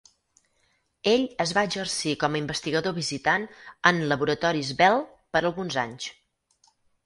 Ell es va exercir com a investigador visitant en Laboratoris Bell per alguns anys.